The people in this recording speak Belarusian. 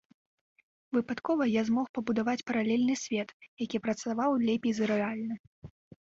Выпадкова я змог пабудаваць паралельны свет, які працаваў лепей за рэальны.